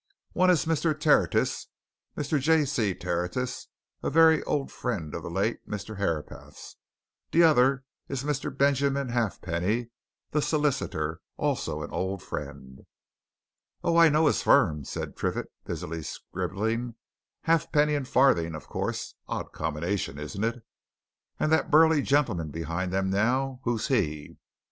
"One is Mr. Tertius Mr. J. C. Tertius a very old friend of the late Mr. Herapath's; the other is Mr. Benjamin Halfpenny, the solicitor, also an old friend." "Oh, I know of his firm," said Triffitt, busily scribbling. "Halfpenny and Farthing, of course odd combination, isn't it? And that burly gentleman behind them, now who's he?"